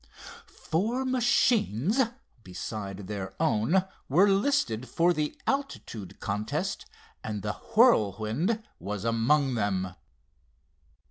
Four machines besides their own were listed for the altitude contest and the Whirlwind was among them.